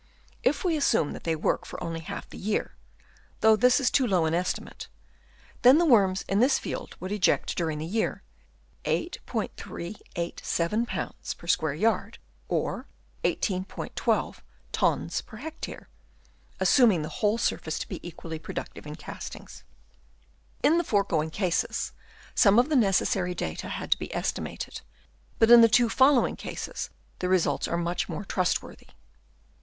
If we assume that they work for only half the year — though this is too low an estimate — then the worms in this field would eject during the year, 8*387 pounds per square yard; or 18*12 tons per acre, assuming the whole surface to be equally productive in castings. In the foregoing cases some of the necessary data had to be estimated, but in the two following cases the results are much more trustworthy.